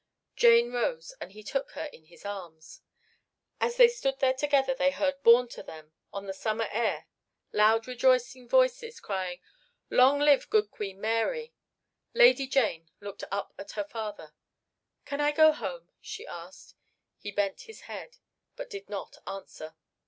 Jane rose and he took her in his arms. As they stood there together they heard borne to them on the summer air loud rejoicing voices crying, "Long live good Queen Mary!" Lady Jane looked up at her father. "Can I go home?" she asked. He bent his head, but did not answer.